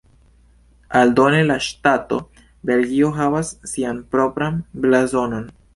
Aldone la ŝtato Belgio havas sian propran blazonon.